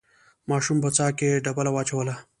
ماشوم په څاه کې ډبله واچوله.